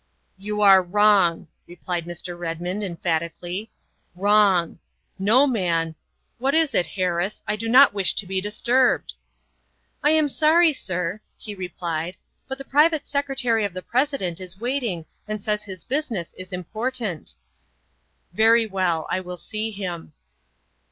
' You are wrong," said Mr. Redmond emphatically, " wrong. No man What is it, Harris? I do not wish to be disturbed. ''' I am sorry, sir," he replied, " but the private sec retary of the President is waiting and says his business is important." '' Very well, I will see him.